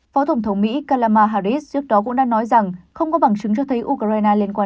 phó tổng thống mỹ kalama hardis trước đó cũng đã nói rằng không có bằng chứng cho thấy ukraine liên quan